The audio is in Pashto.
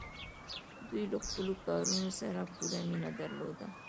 دوی له خپلو کارونو سره پوره مینه درلوده.